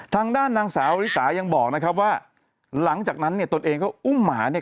ทางด้านนางสาวริสายังบอกนะครับว่าหลังจากนั้นเนี่ยตนเองก็อุ้มหมาเนี่ย